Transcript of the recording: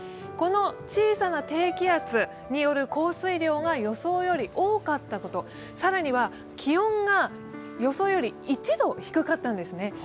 この小さな低気圧による降水量が予想より多かったこと、更には気温が予想より１度低かったんですね。